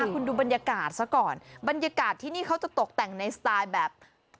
คุณดูบรรยากาศซะก่อนบรรยากาศที่นี่เขาจะตกแต่งในสไตล์แบบ